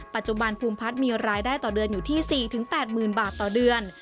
ปัจจุบันภูมิพัฒน์มีรายได้ต่อเดือนอยู่ที่๔๘๐๐๐บาทต่อเดือน